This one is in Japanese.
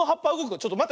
ちょっとまって！